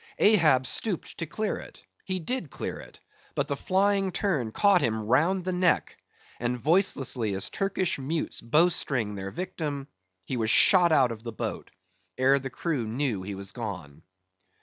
Ahab stooped to clear it; he did clear it; but the flying turn caught him round the neck, and voicelessly as Turkish mutes bowstring their victim, he was shot out of the boat, ere the crew knew he was gone.